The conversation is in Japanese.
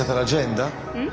うん？